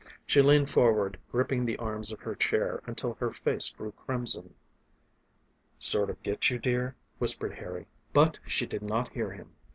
She leaned forward gripping the arms of her chair until her face grew crimson. "Sort of get you dear?" whispered Harry. But she did not hear him.